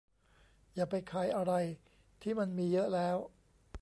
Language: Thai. อย่าไปขายอะไรที่มันมีเยอะแล้ว